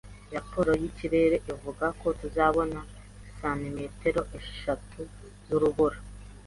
Raporo yikirere ivuga ko tuzabona santimetero eshatu z'urubura.